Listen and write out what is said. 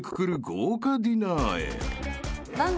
豪華ディナーへ］